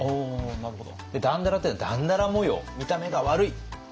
なるほど。